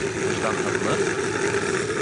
— Выжданһыҙлыҡ?